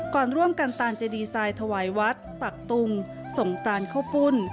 ก่อนร่วมกันตานเจดีไซน์ถวายวัดปักตุงส่งตานข้าวปุ้น